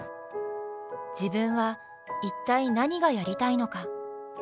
自分は一体何がやりたいのか。